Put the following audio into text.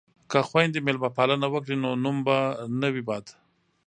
که خویندې میلمه پالنه وکړي نو نوم به نه وي بد.